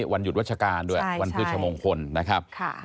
วันหยุดวัชการด้วยวันพฤชมงคลนะครับ